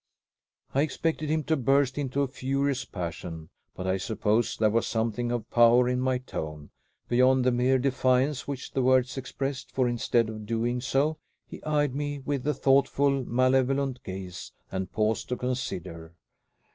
I expected him to burst into a furious passion, but I suppose there was a something of power in my tone, beyond the mere defiance which the words expressed; for, instead of doing so, he eyed me with a thoughtful, malevolent gaze, and paused to consider.